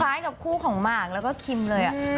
คล้ายกับคู่ของหมากแล้วก็คิมเลย